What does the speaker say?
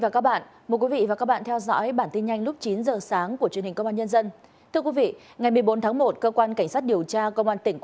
cảm ơn các bạn đã theo dõi